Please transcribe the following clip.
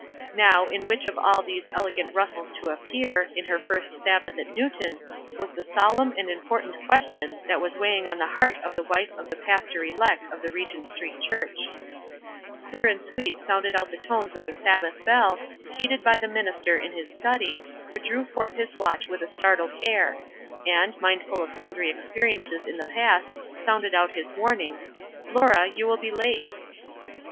Now, in which of all these elegant rustles to appear, on her WISE AND OTHERWISE. 15 first Sabbath in Newton, was the solemn and Im portant question that was weighing on the heart of the wife of the pastor elect of the Regent Street Church. Clear and sweet sounded out the tones of the Sabbath bell, heeded by the minister in his study, who drew forth his watch with a startled air, and, mindful of sundry experiences in the past, sounded out his warning, — "Laura, you will be late."